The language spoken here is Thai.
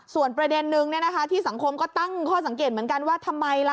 ส่วนประเด็นนึงที่สังคมก็ตั้งข้อสังเกตเหมือนกันว่าทำไมล่ะ